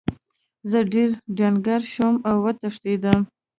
زه ډیر ډنګر شوم او وتښتیدم.